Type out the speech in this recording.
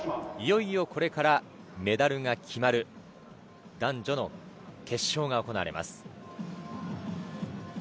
いよいよこれからメダルが決まる男女の決勝が行われます。